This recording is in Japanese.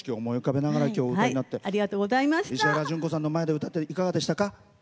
石原詢子さんの前で歌っていかがでしたか？